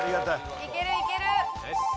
いけるいける！